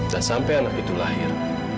dan sampai anak itu lahir